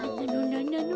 なんなの？